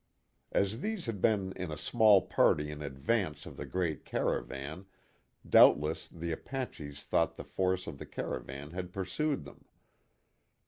As these had been in a small party in advance of the great caravan, doubtless the Apaches thought the force of the caravan had pursued them.